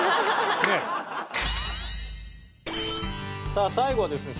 ねえ？さあ最後はですね